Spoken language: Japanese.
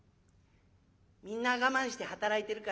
みんな我慢して働いているからさ